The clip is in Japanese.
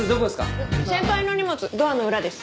先輩の荷物ドアの裏です。